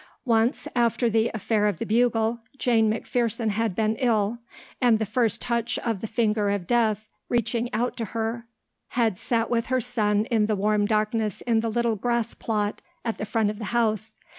Once, after the affair of the bugle, Jane McPherson had been ill and the first touch of the finger of death reaching out to her had sat with her son in the warm darkness in the little grass plot at the front of the house.